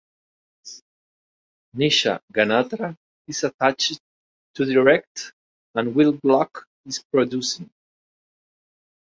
Nisha Ganatra is attached to direct and Will Gluck is producing.